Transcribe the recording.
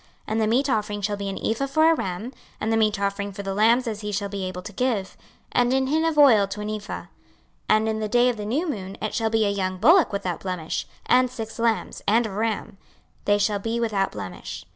26:046:005 And the meat offering shall be an ephah for a ram, and the meat offering for the lambs as he shall be able to give, and an hin of oil to an ephah. 26:046:006 And in the day of the new moon it shall be a young bullock without blemish, and six lambs, and a ram: they shall be without blemish.